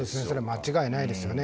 間違いないですよね。